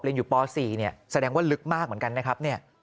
เรียนอยู่ป๔แสดงว่าลึกมากเหมือนกันนะครับ